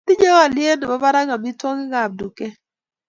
tinyei olye nebo barak omitwogikab duket